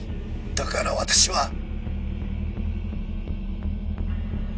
だから私は。